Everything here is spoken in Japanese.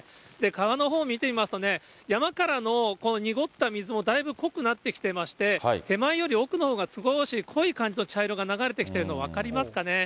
川のほうを見てみますとね、山からのこの濁った水もだいぶ濃くなってきてまして、手前より奥のほうが少し濃い感じの茶色が流れてきているの、分かりますかね。